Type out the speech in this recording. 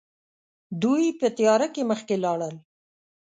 دوی په تياره کې مخکې لاړل.